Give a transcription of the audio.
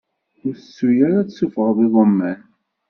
Ur tettu ara ad tessufɣeḍ iḍumman!